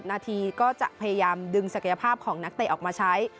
รวมถึงตลอด๙๐นาทีก็จะพยายามดึงศักยภาพของนักเตะออกมาใช้